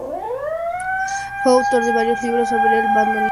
Fue autor de varios libros sobre el bandoneón.